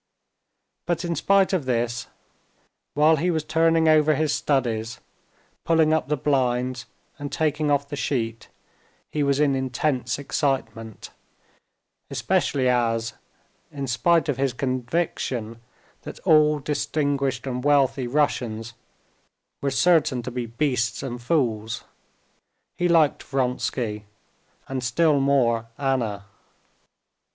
But in spite of this, while he was turning over his studies, pulling up the blinds and taking off the sheet, he was in intense excitement, especially as, in spite of his conviction that all distinguished and wealthy Russians were certain to be beasts and fools, he liked Vronsky, and still more Anna.